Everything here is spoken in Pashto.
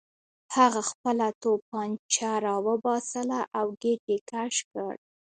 هغه خپله توپانچه راوباسله او ګېټ یې کش کړ